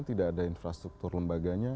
tidak ada infrastruktur lembaganya